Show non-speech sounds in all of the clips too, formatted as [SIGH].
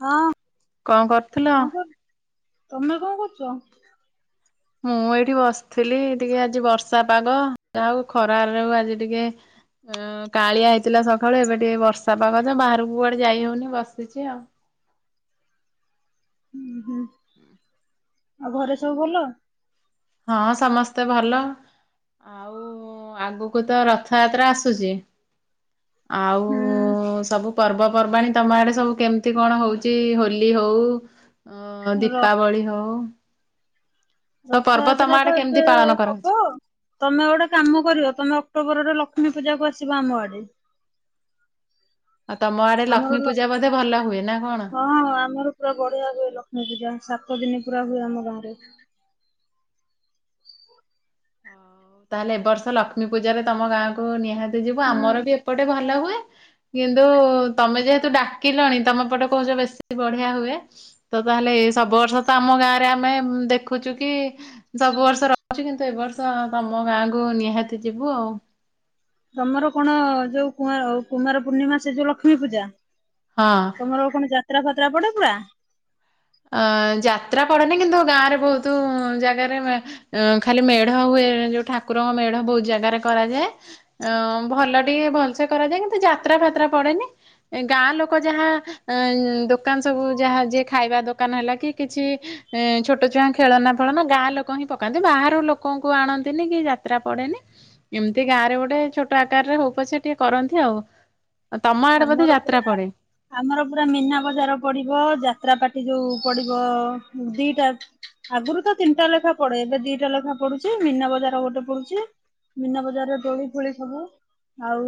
ହଁ। କଣ କରୁଥିଲ? କଣ କରୁ ତମେ କଣ କରୁଚ? ମୁଁ ଏଇଠି ବସିଥିଲି ଟିକେ ଆଜି ବର୍ଷା ପାଗ ଯାହା ହୋଉ ଖରାରାକୁ ଆଜି ଟିକେ ଏ କାଳିଆ ହେଇଥିଲା ସକାଳୁ ଏବେ ଟିକେ ବର୍ଷା ପାଗ ଯେ ବାହାରକୁ କୁଆଡେ ଯାଇ ହୋଉନି ବସିଚି ଆଉ। ଉଁ ହୁଁ। ଆଉ ଘରେ ସବୁ ଭଲ? ହଁ ସମସ୍ତେ ଭଲ ଆଉ ଆଗକୁ ତ ରଥଯାତ୍ରା ଆସୁଚି। ଆଉ ହୁଁ ସବୁ ପର୍ବ ପର୍ବାଣୀ ତମ ଆଡେ ସବୁ କେମତି କଣ ହୋଉଚି ହୋଲି ହୋଉ ଅଁ ର ଦୀପାବଳି ହୋଉ ରଥଯାତ୍ରା ତ ଆଡେ କେମିତି ପାଳନ ଏବେ କରାହଉଛି? ହବ ତମେ ଗୋଟେ କାମ କରିବ ତମେ ଅକ୍ଟୋବରରେ ଲ ଲକ୍ଷ୍ମୀ ପୂଜାକୁ ଆସିବା ଆମ ଆଡେ। ଆଉ ତମ ଆଡେ ଆମର ଲକ୍ଷ୍ମୀ ପୂଜା ବୋଧେ ଭଲ ହୁଏ ନା କଣ? ନ-ହଁ ଆମର ପୁରା ବଢିଆ ହୁଏ ଲକ୍ଷ୍ମୀପୂଜା ସାତ ଦିନି ପୁରା ହୁଏ ଆମ ଗାଁରେ। ହୋଉ ତାହଲେ ଏବ ବର୍ଷ ଲକ୍ଷ୍ମୀପୂଜାରେ ତମ ଗାଁ କୁ ନିହାତି ଯିବୁ ହୁଁ ଆମର ବି ଏପଟେ ଭଲ ହୁଏ। କିନ୍ତୁ ତମେ ଯେହେତୁ ଡାକିଲଣି ତମ ପଟ କୋହୁଚ ବେଶୀ ବଢିଆ ହୁଏ ତ ତାହେଲେ ଏ ସବୁ ବର୍ଷ ତ ଆମ ଗାଁରେ ଆମେ ଦେଖୁଚୁ କି ସବୁ ବର୍ଷ ରହୁଚୁ କିନ୍ତୁ ଏ ବର୍ଷ ତମ ଗାଁକୁ ନିହାତି ଯିବୁ ଆଉ। ତମର କଣ ଯୋଉ କୁଆଁ କୁମାର ପୂର୍ଣ୍ଣିମା ସେ ଯୋଉ ଲକ୍ଷ୍ମୀପୂଜା। ହଁ। ତମର କଣ ଯାତ୍ରା ଫା ତ୍ରା ପଡେ ପୁର? ଅଁ ଯାତ୍ରା ପଡେନି କିନ୍ତୁ ଗାଁରେ ଭୋଉତୁ ଜାଗାରେ ମେ-ଉଁ-ଖାଲି ମେଢ ହୁଏ ଯୋଉ ଠାକୁରଙ୍କ ମେଢ ଭୋଉତ ଜାଗାରେ କରାଯାଏ ଅଁ-ଭଲ ଟିକେ ଭଲସେ କରାଯାଏ କିନ୍ତୁ ଯାତ୍ରା ଫାତ୍ରା ପଡେନି ଏ ଗାଁ ଲୋକ ଯାହା ଅଁ ଦୋକାନ ସବୁ ଯାହା ଯିଏ ଖାଇବା ଦୋ ଦୋକାନ ହେଲା କି କିଛି ଏଁ ଛୋଟ ଛୁଆଁ ଖେଳନା ଫେଳନା ଗାଁ ଲୋକ ହିଁ ପକାନ୍ତି ବାହାରୁ ଲୋକଙ୍କୁ ଆଣନ୍ତିନି କି ଯାତ୍ରା ପଡେନି ଏମିତି ଗାଁରେ ଗୋଟେ ଛୋଟ ଆକାରରେ ହୋଉ ପଛେ ଟିକେ କରନ୍ତି ଆଉ। ତମ ଆଡେ ବୋଧେ ଆମର ଯାତ୍ରା ପୁରା ପଡେ ଆମର ପୁରା ମୀନା ବଜାର ପଡିବ ଯାତ୍ରା ପାଟି ଯୋଉ ପଡିବ ଦିଟା ଆଗୁରୁ ତ ତିନିଟା ଲେଖା ପଡେ ଏବେ ଦିଟା ଲେଖା ପଡୁଚି ମୀନାବଜାର ଗୋଟେ ପଡୁଚି ମୀନା ବଜାରରେ ଦୋଳି ଫୋଳି ସବୁ ଆଉ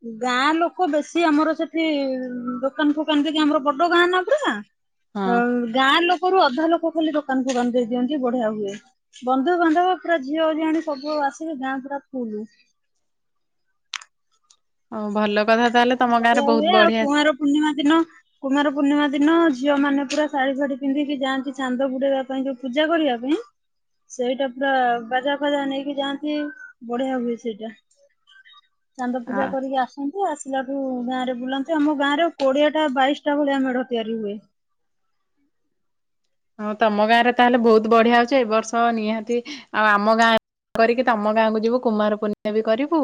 ଉଁ ଗାଁ ଲୋକ ବେଶୀ ଆମର ସେଠି ଦୋକାନ ଫୋକାନ ଦେଇକି ଆମର ବଡ ଗାଁ ନା ପୁରା। ହଁ ଗାଁ ଲୋ ରୁ ଅଧା ଲୋକ ଖାଲି ଦୋକାନ ଫୋକାନ ଦେଇଦିଅନ୍ତି ବଢିଆ ହୁଏ ବନ୍ଧୁ ବାନ୍ଧବ ପୁରା ଝିଅ ଝିଆଣି ସବୁ ଆସିକି ଗାଁ ପୁରା ଫୁଲୁ। ଓ ଭଲ କଥା ତାହେଲେ ତମ ଗାଁରେ ବଢିଆ ବହୁତ ହୁଏ ଆଉ କୁଆଁର ପୂର୍ଣ୍ଣିମା ଦିନ କୁମାର ପୂର୍ଣ୍ଣିମା ଦିନ ଝିଅ ମାନେ ପୁରା ଶାଢୀ ଫାଢୀ ପିନ୍ଧିକି ଯାଆନ୍ତି ଚାନ୍ଦ ବୁଡେଇବା ପାଇଁ ଯୋଉ ପୂଜା କରିଆ ପାଇଁ ସେଇଟା ପୁରା ବାଜା ଫାଜା ନେଇକି ଯାଆନ୍ତି ବଢିଆ ହୁଏ ସେଇଟା। ଚାନ୍ଦ ଆ ପୂଜା କରିକି ଆସନ୍ [UNINTELLIGIBLE] ତାକୁ ଗାଁ ରେ ବୁଲାନ୍ତୁ ଆମ ଗାଁ ରେ କୋଡିଏ ଟା ବାଇଶି ଟା ଭଳିଆ ମେଢ ତିଆରି ହୁଏ। ହଁ ତମ ଗାଁରେ ତାହେଲେ ବହୁତ ବଢିଆ ହଉଚି ଏ ବର୍ଷ ନିହାତି ଆଉ ଆମ ଗାଁ କରିକି ତମ ଗାଁକୁ ଯିବୁ କୁମାର ପୂର୍ଣିମା ବି କରିବୁ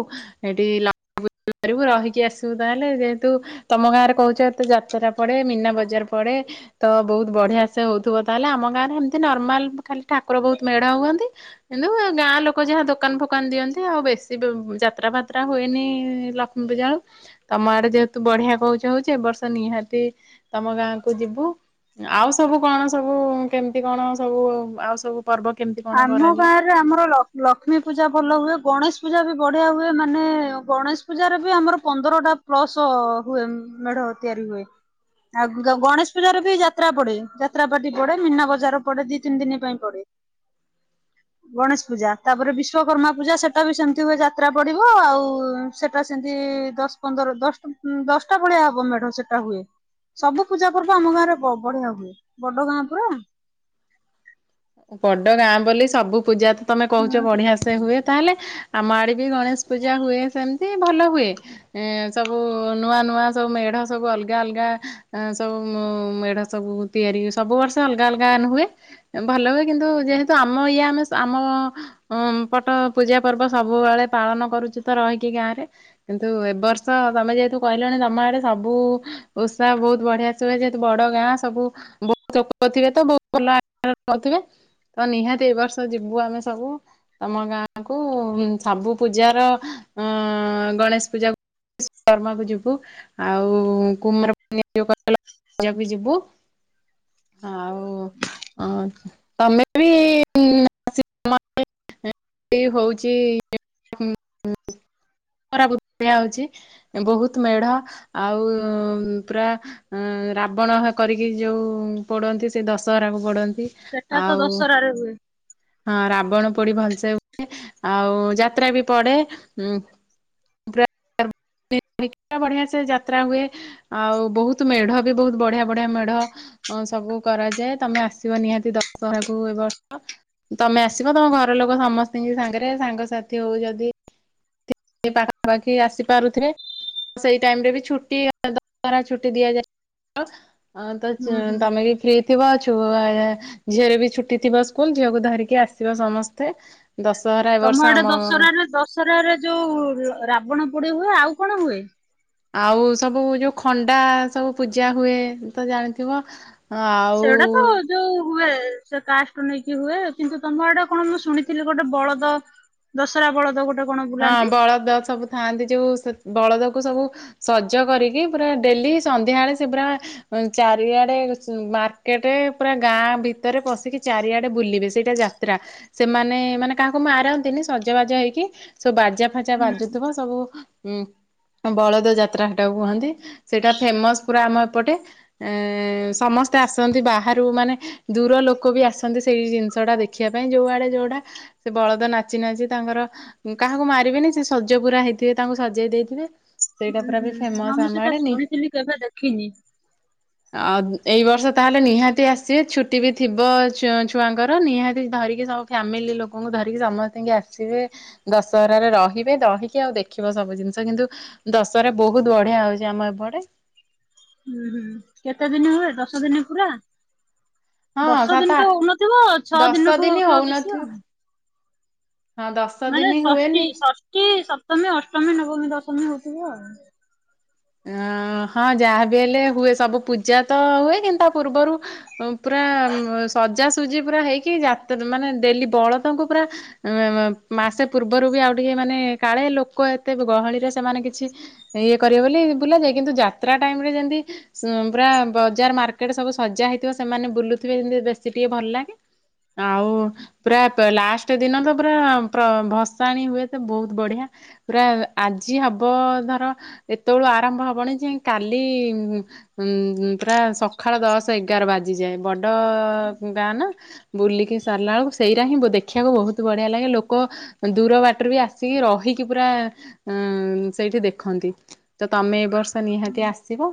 ହେଟି ଲ [UNINTELLIGIBLE] କରିବୁ ରହିକି ଆସିବୁ ତାହେଲେ ଯେହେତୁ ତମ ଗାଁ ରେ କହୁଚ ଏତେ ଯାତ୍ରା ପଡେ ମୀନା ବଜାର ପଡେ ତ ବହୁତ ବଢିଆ ସେ ହଉ ଥିବ ତାହେଲେ ଆମ ଗାଁରେ ହେମିତ ନର୍ମାଲ ଖାଲି ଠାକୁର ବହୁତ ମେଢ ହୁଅନ୍ତି। କିନ୍ତୁ ଗାଁ ଲୋକ ଯାହା ଦୋକାନ ଫୋକାନ ଦିଅନ୍ତି ଆଉ ବେଶୀ ଯାତ୍ରା ଫାତ୍ରା ହୁଏନି ଲକ୍ଷ୍ମୀ ପୂଜା--ତମ ଆଡେ ଯେହେତୁ ବଢିଆ କହୁଚ ହଉଚି ଏ ବର୍ଷ ନିହାତି ତମ ଗାଁ କୁ ଯିବୁ ଆଉ ସବୁ କଣ ସବୁ କେମିତି କଣ ସବୁ ଆଉ ସବୁ ପର୍ବ କେମିତି କଣ ଆମ କରାଯାଏ? ଗାଁ ରେ ଆମର ଲ ଲକ୍ଷ୍ମୀ ପୂଜା ଭଲ ହୁଏ ଗଣେଶ ପୂଜା ବି ବଢିଆ ହୁଏ ମାନେ ଗଣେଶ ପୂଜାରେ ବି ଆମର ପନ୍ଦରଟା ପ୍ଲସ ହୁଏ ମେଢ ତିଆରି ହୁଏ ଆଉ ଗ ଗଣେଶ ପୂଜାରେ ବି ଯାତ୍ରା ପଡେ ଯାତ୍ରା ପାଟି ପଡେ ମିନା ବଜାର ପଡେ ଦି ତିନି ଦିନି ପାଇଁ ପଡେ। ଗଣେଶ ପୂଜା ତାପରେ ବିଶ୍ଵକର୍ମା ପୂଜା ସେଟା ବି ସେମିତି ହୁଏ ଯାତ୍ରା ପଡିବ ଆଉ ସେଟା ସେମତି ଦଶ ପନ୍ଦର ଦଶଟା ଉଁ ଦଶଟା ଭଳିଆ ହବ ମେଢ ସେଟା ହୁଏ ସବୁ ପୂଜା ପର୍ବ ଆମ ଗାଁରେ ବ ବଢିଆ ହୁଏ ବଡ ଗାଁ ପୁରା। ବଡ ଗାଁ ବୋଲି ସବୁ ପୂଜା ତମେ କହୁଚ ହୁଁ ବଢିଆ ସେ ହୁଏ। ତାହେଲେ ଆମ ଆଡେ ବି ଗଣେଶ ପୂଜା ହୁଏ ସେମିତି ଭଲ ହୁଏ ଏଁ ସବୁ ନୂଆ ନୂଆ ସବୁ ମେଢ ସବୁ ଅଲଗା ଅଲଗା ଏଁ ସବୁ ମେଢ ସବୁ ତିଆରି ସବୁ ବର୍ଷ ଅଲଗା ଅଲଗା ନୁ ହୁଏ। ଭଲ ହୁଏ କିନ୍ତୁ ଯେହେତୁ ଆମ ଇଏ ଆମେ ଆମ ପଟ ପୂଜା ପର୍ବ ସବୁବେଳେ ପାଳନ କରୁଚୁ ତ ରହିକି ଗାଁରେ କିନ୍ତୁ ଏ ବର୍ଷ ତମେ ଯେହେତୁ କହିଲଣି ତମ ଆଡ଼େ ସବୁ ଓଷା ବହୁତ ବଢ଼ିଆସ ହୁଏ ଯେହେତୁ ବଡ଼ ଗାଁ ସବୁ ବହୁ [UNINTELLIGIBLE] ଥିବେ ତ [UNINTELLIGIBLE] ବହୁତ ଭଲ [UNINTELLIGIBLE] ରହୁଥିବେ ତ ନିହାତି ଏଇ ବର୍ଷ ଯିବୁ ଆମେ ସବୁ ତମ ଗାଁକୁ। ସବୁ ପୂଜାର ଅଁ ଗଣେଶ ପୂଜା [UNINTELLIGIBLE] କର୍ମାକୁ ଯିବୁ ଆଉ [UNINTELLIGIBLE] ଯିବୁ। [INAUDIBLE] ଉଂ ତମେ ବି [UNINTELLIGIBLE] ହଉଚି [UNINTELLIGIBLE] ବହୁତ ମେଢ ଆଉ ପୁରା ଉଂ ରାବଣ କରିକି ଯୋଉ ପଡ଼ନ୍ତି ସେ ଦଶହରାକୁ ପୋଡନ୍ତି ସେଟା ତ ଆଉ ଦଶହରାରେ ହୁଏ। ହଁ ରାବଣ ପୋଡି ଭଲସେ ହୁଏ। ଆଉ ଯାତ୍ରା ବି ପଡେ। ପୁରା ବଢିଆ ସେ ଯାତ୍ରା ହୁଏ ଆଉ ବହୁତ ମେଢ ବି ବହୁତ ବଢିଆ ବଢିଆ ମେଢ ସବୁ କରାଯାଏ। ତମେ ଆସିବ ନିହାତି ଦଶହରାକୁ ଏ ବର୍ଷ ତମେ ଆସିବ ତମ ଘର ଲୋକ ସମସ୍ତଙ୍କ ସାଙ୍ଗରେ ସାଙ୍ଗସାଥି ହଉ ଯଦି ପାଖାପାଖି ଆସି ସେଇ ଟାଇମ ରେ ବି ଛୁଟି ଛୁଟି ଦିଆଯାଇ [INAUDIBLE] ହଁ ତ ହୁଁ ହୁଁ। ତମେ କି ଫି [INAUDIBLE] ଥିବୁ ଝିଅରେ ବି ଛୁଟି ଥିବ ସ୍କୁଲ ଝିଅକୁ ଧରିକି ଆସିବ ସମସ୍ତେ। ଦଶହରା ଏ ବର୍ଷ ତମ ଆଡେ ଆମ ଦଶହରାରେ ଦଶହରରେ ଯୋଉ ରାବଣ ପୋଡି ହୁଏ। ଆଉ କଣ ହୁଏ? ଆଉ ସବୁ ଯୋଉ ଖଣ୍ଡା ସବୁ ପୂଜା ହୁଏ ତ ଜାଣିଥିବ। ସେଗୁଡା ତ ଆଉ ଯୋଉ ହୁଏ ସେ କାଷ୍ଟ ନେଇକି ହୁଏ। କିନ୍ତୁ, ତମ ଆଡେ କଣ ମୁଁ ଶୁଣିଥିଲି ଗୋଟେ ବଳଦ ଦଶରା ବଳଦ ଗୋଟେ କଣ ହଁ ବୁଲାନ୍ତି ବଳଦ ସବୁ ଥାଆନ୍ତି ଯୋଉ ବଳଦ ସବୁ ସଜ କରିକି ପୁରା ଡେଲି ସନ୍ଧ୍ୟା ବଳେ ସେ ପୁରା ଚାରିଆଡେ ମାର୍କେଟରେ ପୁରା ଗାଁ ଭିତରେ ପଶିକି ଚାରିଆଡେ ବୁଲିବେ ସେଇଟା ଯାତ୍ରା। ସେମାନେ ମାନେ କାହାକୁ ମାରନ୍ତିନି ସଜବାଜ ହେଇକି ସୋ ବାଜା ଫାଜା ହୁଁ ବାଜୁଥିବ ସବୁ। ଉଁ ବଳଦ ଯାତ୍ରା ସେଟାକୁ କୁହନ୍ତି। ସେଇଟା ଫେମସ ପୁରା ଆମ ଏପଟେ। ଏ ସମସ୍ତେ ଆସନ୍ତି ବାହାରୁ ମାନେ ଦୂର ଲୋକ ବି ଆସନ୍ତି ସେଇ ଜିନିଷ ଟା ଦେଖିବା ପାଇଁ। ଯୋଉଆଡେ ଯୋଉଟା ସେ ବଳଦ ନାଚି ନାଚି ତାଙ୍କର କାହାକୁ ମାରିବେନି ସେ ସଜ ପୁରା ହେଇଥିବେ ତାଙ୍କୁ ସଜେଇ ଦେଇଥିବେ ସେଇଟା ହୁଁ ପୁରା ହୁଁ ବି ହଁ ଫେମସ୍ ମୁଁ ଆମ ସେଟା ଆଡେ ନି ଶୁଣିଥିଲି କେବେ ଦେଖିନି। ଆଉ ଏଇ ବର୍ଷ ତାହେଲେ ନିହାତି ଆସିବେ ଛୁଟି ବି ଥିବ ଛୁଆଙ୍କର ନିହାତି ଧରିକି ସବୁ ଫ୍ୟାମିଲି ଲୋକଙ୍କୁ ଧରିକି ସମସ୍ତଙ୍କୁ ଆସିବେ। ଦଶହରାରେ ରହିବେ ରହିକି ଆଉ ଦେଖିବ ସବୁ ଜିନିଷ କିନ୍ତୁଦଶହରା ବହୁତ ବଢିଆ ହଉଛି ଆମ ଏପଟେ। ହୁଁ ହୁଁ କେତେ ଦିନ ହୁଏ ଦଶ ଦିନ ପୁରା? ହଁ ଦଶ ସାତ ଦିନତ ଆଠ ହଉନଥିବ ଛଅ ଦଶ ଦିନଠୁ ଦିନ ହଉଥିବ ବେଶୀ ହଉନଥିବ ଆଉ। ହଁ ଦଶ ମାନେ ଦିନ ଷଷ୍ଠୀ ହୁଏନି ଷଷ୍ଠୀ ସପ୍ତମୀ ଅଷ୍ଟମୀ ନବମୀ ଦଶମୀ ହଉଥିବ ଆଉ। ଅ ହଁ ଯାହାବି ହେଲେ ହୁଏ ସବୁ ପୂଜା ତ ହୁଏ କିନ୍ତୁ, ତା ପୂର୍ବରୁ ପୁରା ସଜାସଜି ପୁରା ହେଇକି ମାନେ ଡେଲି ବଳଦଙ୍କୁ ପୁରା ମାସେ ପୂର୍ବରୁ ବି ଆଉ ଟିକେ ମାନେ କାଳେ ଲୋକ ଏତେ ଗହଳିରେ ସେମାନେ କିଛି ଇଏ କରିବେ ବୋଲି ବୁଲାଯାଏ କିନ୍ତୁ ଯାତ୍ରା ଟାଇମ ରେ ଯେମିତି ପୁରା ବଜାର ମାର୍କେଟ ସବୁ ସଜା ହେଇଥିବ ସେମାନେ ବୁଲୁଥିବେ ଯେମତି ବେଶୀ ଟିକେ ଭଲ ଲାଗେ। ଆଉ ପୁରା ଲାଷ୍ଟ ଦିନ ତ ପୁରା ଭସାଣି ହୁଏ ତ ବହୁତ ବଢିଆ। ପୁରା ଆଜି ହବ ଧର ଏତେଳୁ ଆରମ୍ଭ ହବନି ଯେ କାଲି ଉ ପୁରା ସକାଳ ଦଶ ଏଗାର ବାଜିଯାଏ। ବଡ ଗାଁ ନା ବୁଲିକି ସରିଲା ବେଳକୁ ସେଇଟା ହିଁ ଦେଖିବାକୁ ବହୁତ ବଢିଆ ଲାଗେ ଲୋକ ଦୂର ବାଟରେ ବି ଆସିକି ରହିକି ପୁରା ସେଇଠି ଦେଖନ୍ତି। ତ ତମେ ଏ ବର୍ଷ ନିହାତି ଆସିବ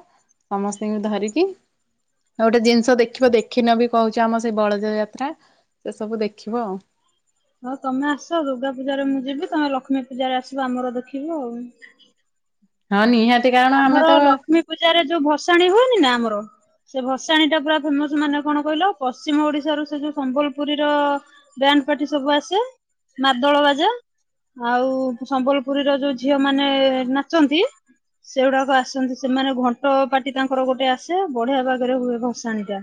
ସମସ୍ତଙ୍କୁ ଧରିକି। ଆଉ ଗୋଟେ ଜିନିଷ ଦେଖିବ ଦେଖିନ ବି କହୁଛ ଆମ ସେଇ ବଳଦ ଯାତ୍ରା ସେ ସବୁ ଦେଖିବ ଆଉ। ହଁ ତମେ ଆସ ଦୁର୍ଗା ପୂଜାରେ ମୁଁ ଯିବି ତମେ ଲକ୍ଷ୍ମୀ ପୂଜାରେ ଆସିବ ଆମର ଦେଖିବ ଆଉ। ହଁ ନିହାତି। କାରଣ ଆମେ ଆମର ତ ହଁ ଲକ୍ଷ୍ମୀ ପୂଜାରେ ଯୋଉ ଭସାଣି ହୁଏନି ନା ଆମର ସେ ଭସାଣିୀ ଟା ପୁରା ଫେମସ ମାନେ କଣ କହିଲ ପଶ୍ଚିମ ଓଡିଶା ରୁ ସେ ଯୋଉ ସମ୍ବଲପୁରୀର ବ୍ୟାଣ୍ଡ ପାର୍ଟି ସବୁ ଆସେ ମାଦଳ ବାଜା ଆଉ ସମ୍ବଲପୁରୀର ଯୋଉ ଝିଅ ମାନେ ନାଚନ୍ତି। ସେଗୁଡାକ ଆସନ୍ତି ସେମାନେ ଘଣ୍ଟ ପାଟି ତାଙ୍କର ଗୋଟେ ଆସେ ବଢିଆ ଭାଗରେ ହୁଏ ଭସାଣି ଟା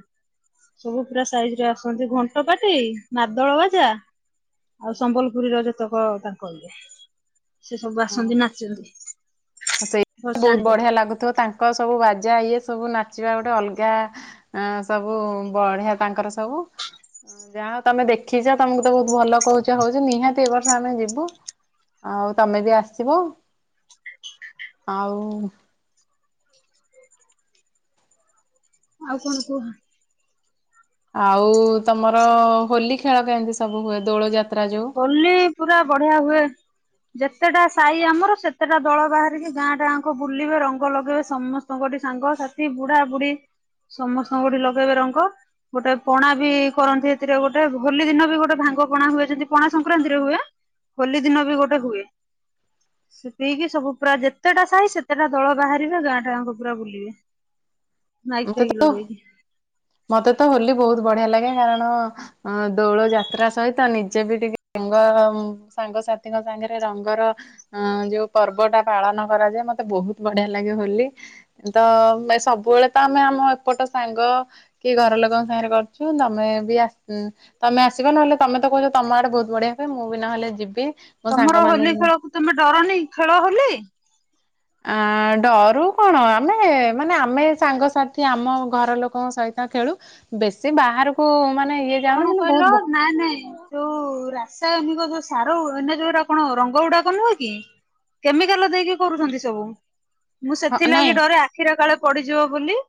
ସବୁ ପୁରା ସାଇଜ ରେ ଆସନ୍ତି ଘଣ୍ଟ ପାଟି ମାଦଳ ବାଜା ଆଉ ସମ୍ବଲପୁରୀର ଯେତେକ ତାଙ୍କ ଇଏ। ସେ ସବୁ ଆସନ୍ତି ନାଚଛନ୍ତି। ସେଇ ବହୁତ ବଢିଆ ଲାଗୁଥିବ ତାଙ୍କ ସବୁ ବାଜା ଇଏ ସବୁ ନାଚିବା ଗୋଟେ ଅଲଗା ସବୁ ବଢିଆ ତାଙ୍କର ସବୁ ଯାହା ତମେ ଦେଖିଛ ତମକୁ ତ ବହୁତ ଭଲ କହୁଛ ହଉଛ ନିହାତି ଏ ବର୍ଷ ଆମେ ଯିବୁ ଆଉ ତମେ ବି ଆସିବ। ଆଉ। ଆଉ କଣ କୁହ? ଆଉ ତମର ହୋଲି ଖେଳ କେମିତି ସବୁ ହୁଏ ଦୋଳ ଯାତ୍ରା। ଯୋଉ ହୋଲି ପୁରା ବଢିଆ ହୁଏ। ଯେତେଟା ସାହି ଆମର ସେତେଟା ଦଳ ବାହାରିକି ଗାଁ ଟା ଗାକୁ ବୁଲିବେ ରଙ୍ଗ ଲଗେଇବେ ସମସ୍ତଙ୍କଠି ସାଙ୍ଗସାଥି ବୁଢା ବୁଢୀ ସମସ୍ତଙ୍କଠି ଲଗେଇବେ ରଙ୍ଗ ଗୋଟେ ପଣା ବି କରନ୍ତି ସେଥିରେ ଗୋଟେ ହୋଲି ଦିନ ବି ଗୋଟେ ଭାଙ୍ଗ ପଣା ହୁଏଛନ୍ତି ପଣା ସଂକ୍ରାନ୍ତିରେ ହୁଏ ହୋଲି ଦିନ ବି ଗୋଟେ ହୁଏ ସେ ପିଇକି ସବୁ ପୁରା ଯେତେଟା ସାାଇ ସେତେଟା ଦଳ ବାହାରିବେ ଗାଁ ଟା ଗାଙ୍କ ପୁରା ବୁଲିବେ। ମାଇକି ମତେ ଫାଇକି ତ ଲଗେଇକି ମତେ ତ ହୋଲି ବହୁତ ବଢିଆ ଲାଗେ। କାରଣ ଦୋଳ ଯାତ୍ରା ସହିତ ନିଜେ ବି ଟିକେ ରଙ୍ଗ ସାଙ୍ଗସାଥିଙ୍କ ସାଙ୍ଗରେ ରଙ୍ଗର ଯୋଉ ପର୍ବ ଟା ପାଳନ କରାଯାଏ। ମତେ ବହୁତ ବଢିଆ ଲାଗେ ହୋଲି ତ ସବୁବେଳେ ତ ଆମେ ଆମ ଏପଟ ସାଙ୍ଗ କି ଘର ଲୋକଙ୍କ ସାଙ୍ଗରେ କରୁଛୁ ତମେ ବି ତମେ ଆସିବ ନହେଲେ ତମେ ତ କହୁଛ ତମ ଆଡେ ବହୁତ ବଢିଆ ହୁଏ ମୁଁ ବି ନହେଲେ ଯିବି। ମୋ ସାଙ୍ଗ ତମର ହୋଲି ମାନଙ୍କୁ ଖେଳକୁ ତମେ ଡରନି ଖେଳ ହୋଲି। ଆ ଡରୁ କଣ ଆମେ ମାନେ ଆମେ ସାଙ୍ଗସାଥି ଆମ ଘର ଲୋକଙ୍କ ସହିତ ଖେଳୁ ବେଶୀ ବାହାରକୁ ମାନେ ଇଏ ଯାଉନି କଣ କିନ୍ତୁ ବହୁତ କହିଲ ନାଇ ନାଇଁ ଯୋଉ ରାସାୟନିକ ସାର ଏ ଯୋଉରେ ଆପଣ ରଙ୍ଗ ଗୁଡାକ ନୁହଁ କି କେମିକାଲ ଦେଇକି କରୁଛନ୍ତି ସବୁ। ମୁଁ ହଁ ନାଇଁ ସେଥିଲାଗି ଡରେ ଆଖିର କାଳେ ପଡିଯିବ ବୋଲି। [INAUDIBLE]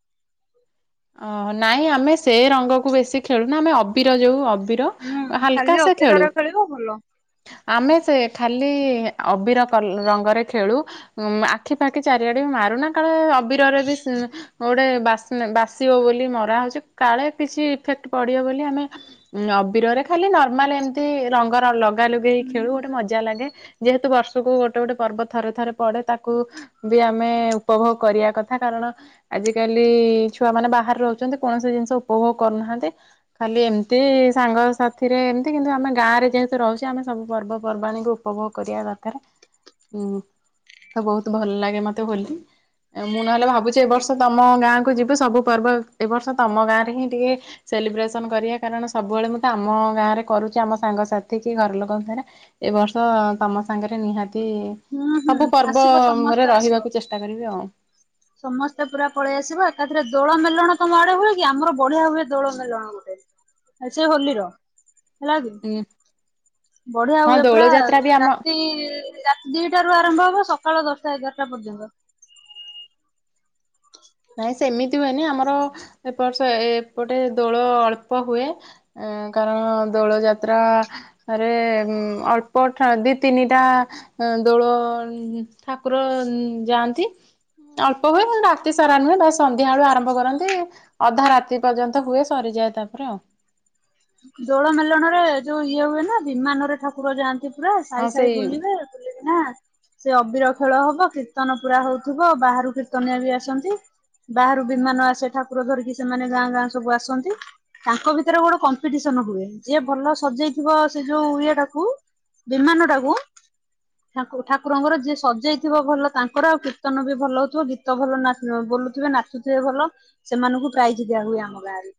ଓ ନାଇଁ ଆମେ ସେ ରଙ୍ଗକୁ ବେଶି ଖେଳୁନା ଆମେ ଅବିର ଯୋଉ ହୁଁ ଖାଲି ଲ ସେ ଖେଳୁ ଆମେ ଖଳୁ ଅବିରରେ ଖେଳିବ ଭଲ ଆମେ ସେ ଖା ଅବିର ରଙ୍ଗରେ ଖେଳୁ ଆଖି ପାାଖି ଚାରିଆଡେ ବି ମାରୁନା କାଳେ। ଶିରରେ ବି ଗୋଟେ ବା ବାସ [UNINTELLIGIBLE] ଆସିବ ବୋଲି ମରା ହଉଛି କାଳେ କିଛି ଇଫେକ୍ଟ ପଡିବ ବୋଲି ଆମେ ଅବିରରେ ଖାଲି ନର୍ମାଲ ଏମତି ରଙ୍ଗର ଲଗା ଲୁଗେଇ ହେଇ ଖେଳୁ ଗୋଟେ ମଜା ଲାଗେ ଯେହେତୁ ବର୍ଷକୁ ଗୋଟେ ଗୋଟେ ପର୍ବ ଥରେ ଥରେ ପଡେ ତାକୁ ବି ଆମେ ଉପଭୋଗ କରିବା କଥା କାରଣ ଆଜିକାଲି ଛୁଆ ମାନେ ବାହାରେ ରହୁଛନ୍ତି କୌଣସି ଜିନିଷ ଉପଭୋଗ କରୁନାହାନ୍ତି ଖାଲି ଏମିତି ସାଙ୍ଗ ସାଥିରେ ଏମିତି କିନ୍ତୁ ଆମେ ଗାଁ ରେ ଯେହେତୁ ରହୁଛେ ଆମେ ସବୁ ପର୍ବପର୍ବାଣୀକୁ ଉପଭୋଗ କରିବା ଦରକାର। ଉ ତ ବହୁତ ଭଲ ଲାଗେ ମତେ ହୋଲି ମୁଁ ନହେଲେ ଭାବୁଛି ଏ ବର୍ଷ ତମ ଗାଁକୁ ଯ ଏ ସବୁ ପର୍ବ ଏ ବର୍ଷ ତମ ଗାଁ ରେ ହିଁ ଟିକେ ସେଲିବ୍ରେସନ କରିବା କାରଣ ସବୁବେଳେ ମୁଁ ତ ଆମ ଗାଁ ରେ କରୁଛି ଆମ ସାଙ୍ଗସାଥି କି ଘର ଲୋକଙ୍କ ସାରେ ଏ ବର୍ଷ ତମ ସାଙ୍ଗରେ ନିହାତି ହୁଁ ହୁଁ ସବୁ ଆସିବ ପର୍ବରେ ସମସ୍ତେ ଆସିବ ରହିବାକୁ ଚେଷ୍ଟା କରିବି ଆଉ। ସମସ୍ତେ ପୁରା ପଳେଇ ଆସିବ। ଏକାଥରେ ଦୋଳ ମେଲଣ ତମ ଆଡେ ହୁଏ କି ଆମର ବଢିଆ ହୁଏ ଦୋଳ ମେଲଣ ଗୋଟେ ଏସେଇ ହୋଲିର। ହେଲା କି ହୁଁ ବଢିଆ ହଁ ହୁଏ ଦୋଳ ପୁରା ଯାତ୍ରା ବି ଆମ ରାତି ରାତି ଦିଟା ରୁ ଆରମ୍ଭ ହବ ସକାଳ ଦଶଟା ଏଗାର ଏଟା ପର୍ଯ୍ୟନ୍ତ ନାଇଁ ସେମିତି ହୁଏନି ଆମର ଏପ ଏପଟେ ଦୋଳ ଅଳ୍ପ ହୁଏ, କାରଣ ଦୋଳ ଯାତ୍ରାରେ ଅଳ୍ପ ଦି ତିନିଟା ଦୋଳ ଠାକୁର ଯାଆନ୍ତି ଅଳ୍ପ ହୁଏ ମୁ ରାତି ସାରା ନୁହେଁ ବା ସନ୍ଧ୍ୟା ବେଳୁ ଆରମ୍ଭ କରନ୍ତି ଅଧା ରାତି ପର୍ଯ୍ୟନ୍ତ ହୁଏ ସରିଯାଏ ତାପରେ ଆଉ। ଦୋଳ ମେଲଣ ରେ ଯୋଉ ଇଏ ହୁଏ ନା ବିମାନରେ ଠାକୁର ଯାଆନ୍ତି। ପୁରା ସାଇ ହଁ ସାଇ ସେଇ ବୁଲିବେ। ନା ସେ ଅବିର ଖେଳ ହବ କୀର୍ତ୍ତନ ପୁରା ହଉଥିବ ବାହାରୁ କୀର୍ତ୍ତନଆ ବି ଆସନ୍ତି ବାହାରୁ ବିମାନ ଆସନ୍ତି, ଠାକୁର ଧରିକି ସେମାନେ ଗାଁ ଗାଁ ସବୁ ଆସନ୍ତି ତାଙ୍କ ଭିତରେ ଗୋଟେ ସନ ହୁଏ ଯିଏ ଭଲ ସଜେଇଥିବ ସେ ଯୋଉ ଇଏଟାକୁ ବିମାନ ଟାକୁ ଠାକୁରଙ୍କର ଯିଏ ସଜେଇଥିବ ଭଲ ତାଙ୍କର ଆଉ କୀର୍ତ୍ତନ ବି ଭଲ ହଉଥିବ ଗୀତ ଭଲ ବୋଲୁଥିବେ ନାଚୁଥିବେ ଭଲ ସେମାନଙ୍କୁ ପ୍ରାଇଜ ଦିଆ ହୁଏ ଆମ ଗାଆଁରେ।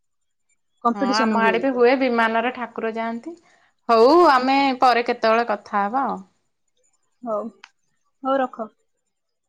ହଁ ଆମ କମ୍ପିଟିସନ ଆଡେ ବି ହୁଏ। ହୁଏ ବିମାନରେ ଠାକୁର ଯାଆନ୍ତି। ହଉ ଆମେ ପରେ କେତେ? କେତେବେଳେ କଥା ହବ ଆ ହଉ ହଉ ରଖ।